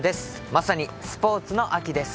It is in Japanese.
まさにスポーツの秋です。